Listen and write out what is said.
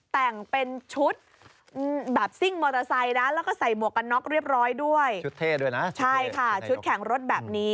แต่งเป็นชุดแบบซิ่งมอเตอร์ไซค์นะ